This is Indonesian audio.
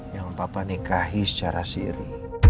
yang papa nikahi secara siri